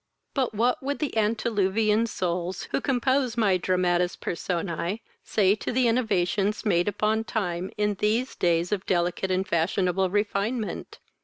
But what would the antediluvian souls, who compose my dramatis personae say to the innovations made upon time in these day of delicate and fashionable refinement?